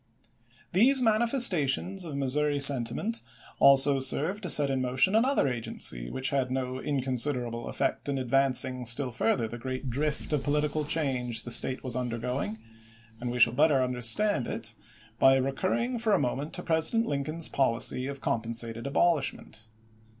These manifestations of Missouri sentiment also served to set in motion another agency which had no inconsiderable eifect in advancing still further the great drift of political change the State was undergoing ; and we shall better understand it by recurring for a moment to President Lincoln's policy of compensated abolishment.